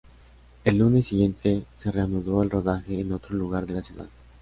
El lunes siguiente, se reanudó el rodaje en otro lugar de la ciudad.